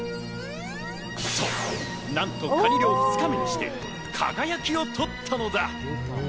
そう、なんとかに漁２日目にして輝を取ったのだ。